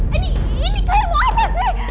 ini ini kayu apa sih